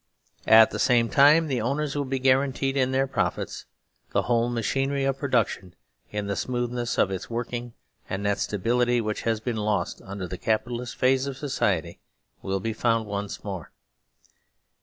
At the same time, the Own ers will be guaranteed in their profits, the whole machinery of production in the smoothness of its working, and that stability which has been lost under the Capitalist phase of society will be found once more.